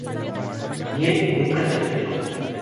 Nye nunca se retiró.